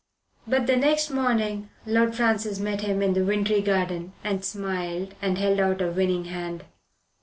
But the next morning Lord Francis met him in the wintry garden and smiled and held out a winning hand.